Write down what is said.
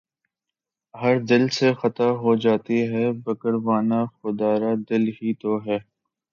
ہر دل سے خطا ہو جاتی ہے، بگڑو نہ خدارا، دل ہی تو ہے